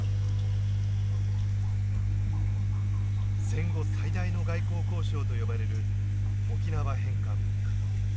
戦後最大の外交交渉と呼ばれる沖縄返還。